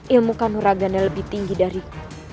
ilmu kanuragannya lebih tinggi dariku